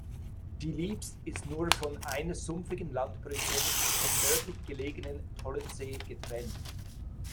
Die Lieps ist nur von einer sumpfigen Landbrücke vom nördlich gelegenen Tollensesee getrennt.